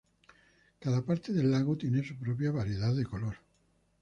Cada parte del lago tiene su propia variedad de color.